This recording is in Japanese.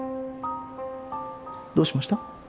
どうしました？